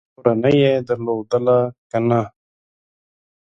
کورنۍ یې درلودله که نه ؟